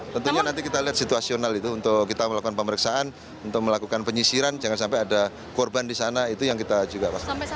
tentunya nanti kita lihat situasional itu untuk kita melakukan pemeriksaan untuk melakukan penyisiran jangan sampai ada korban di sana itu yang kita juga pastikan